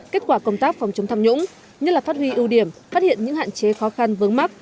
kết quả công tác phòng chống tham nhũng nhất là phát huy ưu điểm phát hiện những hạn chế khó khăn vướng mắt